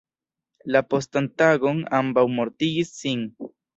La postan tagon ambaŭ mortigis sin.